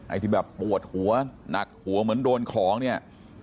ที่แบบปวดหัวหนักหัวเหมือนโดนของเนี่ย